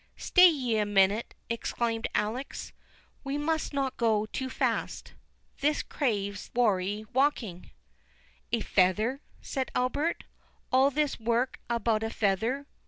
"Stay yet a minute," exclaimed Alice; "we must not go too fast—this craves wary walking." "A feather," said Albert; "all this work about a feather!